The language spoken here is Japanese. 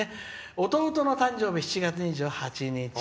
「弟の誕生日７月２８日」